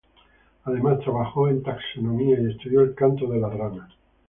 Además trabajó en taxonomía, y estudió el canto de ranas.